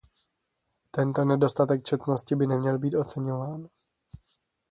Tento nedostatek čestnosti by neměl být oceňován.